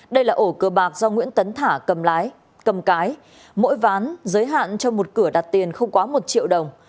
đây là ổ cơ bạc do nguyễn tấn thả cầm lái cầm cái mỗi ván giới hạn cho một cửa đặt tiền không quá một triệu đồng